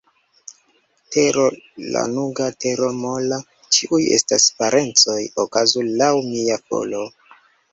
Tero lanuga, tero mola, ĉiuj estas parencoj, okazu laŭ mia volo!